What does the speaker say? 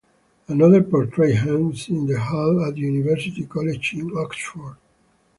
Another portrait hangs in the Hall at University College in Oxford.